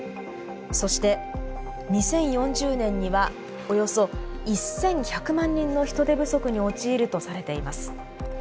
そして２０４０年にはおよそ１，１００万人の人手不足に陥るとされています。